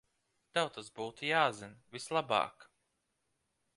Tev tas būtu jāzina vislabāk.